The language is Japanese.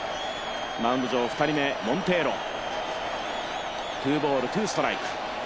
マウンド上２人目、モンテーロツーボールツーストライク。